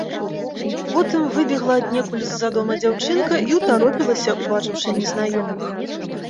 Потым выбегла аднекуль з-за дома дзяўчынка і ўтаропілася, убачыўшы незнаёмых.